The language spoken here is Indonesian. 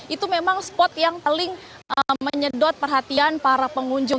itu memang spot yang paling menyedot perhatian para pengunjung